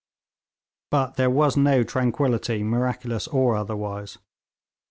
But there was no tranquillity, miraculous or otherwise.